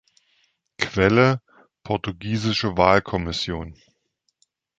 Quelle: "Portugiesische Wahlkommission"